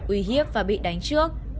uy hiếp và bị đánh trước